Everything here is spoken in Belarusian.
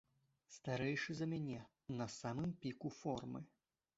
Старэйшы за мяне, на самым піку формы.